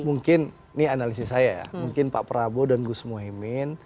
mungkin ini analisis saya ya mungkin pak prabowo dan gus muhaymin